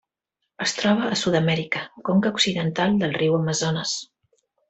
Es troba a Sud-amèrica: conca occidental del riu Amazones.